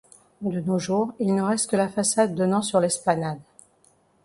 De nos jours il ne reste que la façade donnant sur l'esplanade.